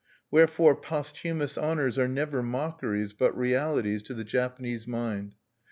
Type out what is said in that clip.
Wherefore posthumous honors are never mockeries, but realities, to the Japanese mind.